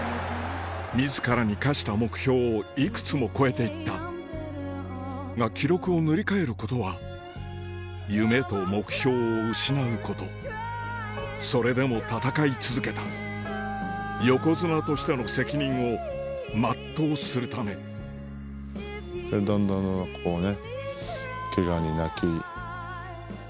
自らに課した目標をいくつも超えていったが記録を塗り替えることは夢と目標を失うことそれでも戦い続けた横綱としての責任を全うするためっていうね。